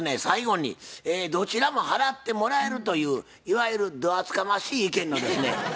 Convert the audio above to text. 最後にどちらも払ってもらえるといういわゆるど厚かましい意見のですね